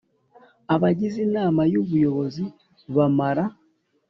abagize Inama y Ubuyobozi bamara